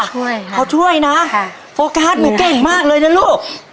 ช่วยค่ะพอช่วยนะค่ะโฟกัสหนูเก่งมากเลยนะลูก